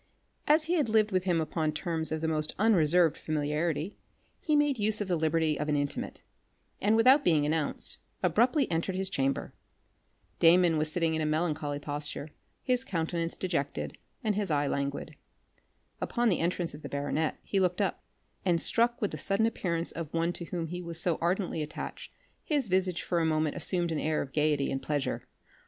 As he had lived with him upon terms of the most unreserved familiarity, he made use of the liberty of an intimate, and, without being announced, abruptly entered his chamber. Damon was sitting in a melancholy posture, his countenance dejected, and his eye languid. Upon the entrance of the baronet he looked up, and struck with the sudden appearance of one to whom he was so ardently attached, his visage for a moment assumed an air of gaiety and pleasure.